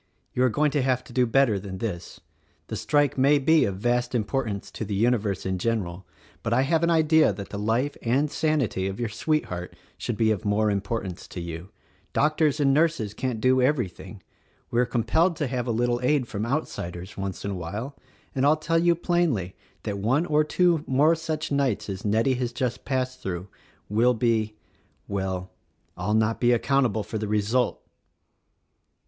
you are going to have to do better than this. The strike may be of vast importance to the universe in general, but I have an idea that the life and sanity of your sweetheart should be of more importance to you. Doc tors and nurses can't do everything. We are compelled to have a little aid from outsiders, once in a while; and I'll tell you plainly that one or two more such nights as Nettie has just passed through will be — well, — I'll not be account able for the result!"